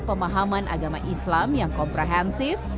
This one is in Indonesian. pemahaman agama islam yang komprehensif